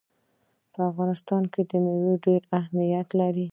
په افغانستان کې مېوې ډېر اهمیت لري.